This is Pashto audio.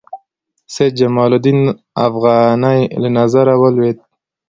سید جمال الدین افغاني له نظره ولوېد.